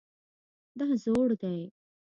دا زوړ دی